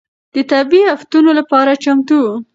د طبيعي افتونو لپاره چمتو و.